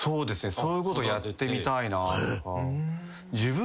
そういうことやってみたいな。